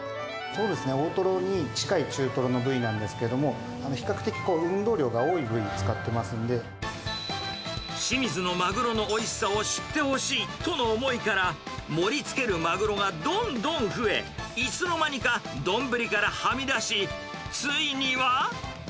大トロに近い中トロの部位なんですけれども、比較的、清水のマグロのおいしさを知ってほしいとの思いから、盛りつけるマグロがどんどん増え、いつの間にか丼からはみ出し、ついには。